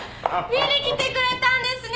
見に来てくれたんですね？